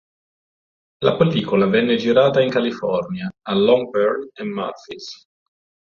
La pellicola venne girata in California, a Long Barn e Murphys.